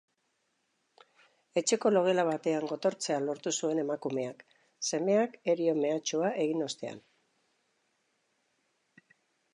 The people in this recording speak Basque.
Etxeko logela batean gotortzea lortu zuen emakumeak, semeak herio-mehatxua egin ostean.